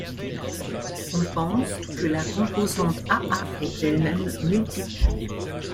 On pense que la composante Aa est elle-même multiple.